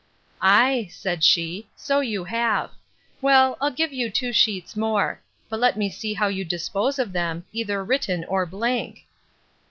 Ay, said she, so you have; well, I'll give you two sheets more; but let me see how you dispose of them, either written or blank.